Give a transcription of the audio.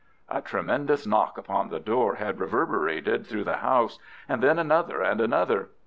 A tremendous knock upon the door had reverberated through the house and then another and another.